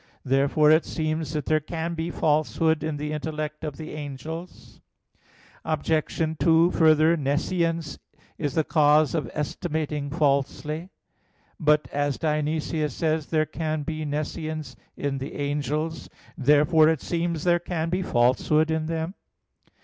Therefore it seems that there can be falsehood in the intellect of the angels. Obj. 2: Further, nescience is the cause of estimating falsely. But, as Dionysius says (Eccl. Hier. vi), there can be nescience in the angels. Therefore it seems there can be falsehood in them.